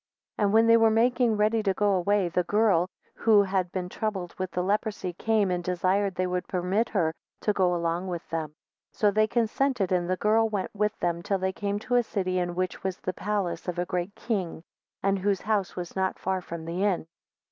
19 And when they were making ready to go away, the girl, who had been troubled with the leprosy, came and desired they would permit her to go along with them; so they consented and the girl went with them till they came to a city in which was the palace of a great king, and whose house was not far from the inn.